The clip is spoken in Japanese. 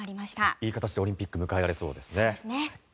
いい形でオリンピックが迎えられそうですね。